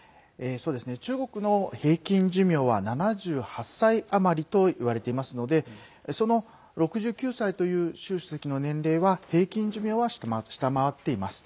中国の平均寿命は７８歳余りといわれていますのでその６９歳という習主席の年齢は平均寿命は下回っています。